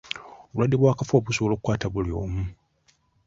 Obulwadde bw'akafuba busobola okukwata buli omu.